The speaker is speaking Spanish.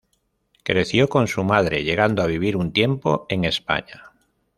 Creció con su madre, llegando a vivir un tiempo en España.